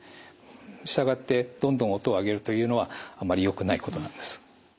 従ってどんどん音を上げるというのはあんまりよくないことなんです。